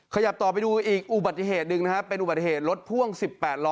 ขยับต่อไปดูอีกอุบัติเหตุหนึ่งนะครับเป็นอุบัติเหตุรถพ่วง๑๘ล้อ